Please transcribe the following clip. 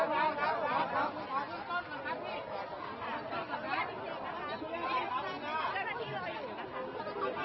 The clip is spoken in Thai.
เพื่อนคนที่รักด้วยเลยคุณค่ะ